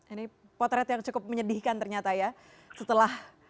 ini potret yang cukup menyedihkan ternyata ya setelah